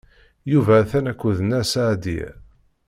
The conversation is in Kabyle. Yuba atan akked Nna Seɛdiya.